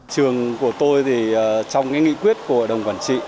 trường của tôi thì trong cái nghị quyết của hội đồng quản trị